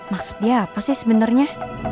maksud dia apa sih sebenarnya